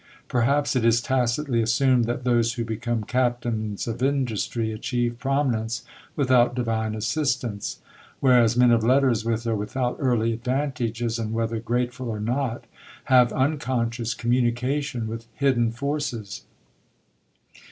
Perhaps it is tacitly assumed that those who become captains of industry achieve prominence without divine assistance; whereas men of letters, with or without early advantages, and whether grateful or not, have unconscious communication with hidden forces.